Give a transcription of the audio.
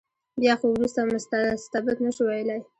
بیا خو ورته مستبد نه شو ویلای.